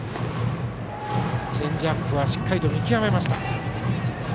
チェンジアップはしっかり見極めました。